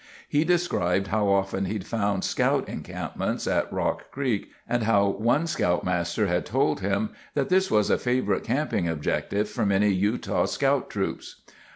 He described how often he'd found scout encampments at Rock Creek, and how one scoutmaster had told him that this was a favorite camping objective for many Utah scout troops.